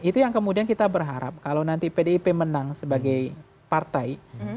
itu yang kemudian kita berharap kalau nanti pdip menang sebagai partai